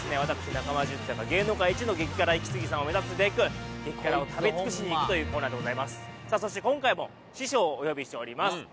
中間淳太が芸能界一の激辛イキスギさんを目指すべく激辛を食べ尽くしにいくというコーナーでございますさあそしてどうも！